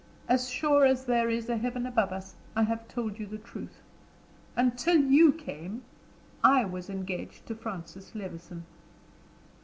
As sure as there is a heaven above us, I have told you the truth. Until you came I was engaged to Francis Levison."